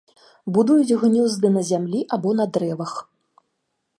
Будуюць гнёзды на зямлі або на дрэвах.